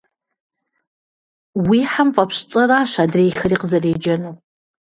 Уи хьэм фӏэпщ цӏэращ адрейхэри къызэреджэнур.